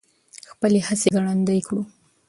خپلې هڅې ګړندۍ کړو.